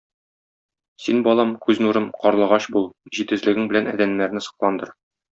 Син, балам, күз нурым, карлыгач бул, җитезлегең белән адәмнәрне сокландыр.